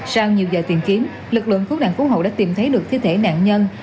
sau nhiều giờ tìm kiếm lực lượng cứu nạn cứu hộ đã tìm thấy được thi thể nạn nhân